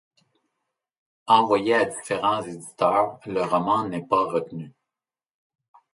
Envoyé à différents éditeurs, le roman n'est pas retenu.